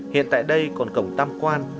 hiện tại đây còn cổng tăm quan